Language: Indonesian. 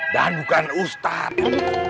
dan bukan ustadz